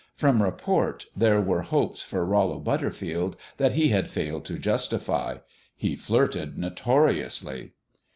From report, there were hopes for Rollo Butterfield that he has failed to justify. He flirted notoriously."